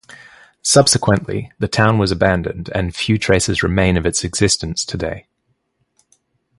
Subsequently, the town was abandoned and few traces remain of its existence, today.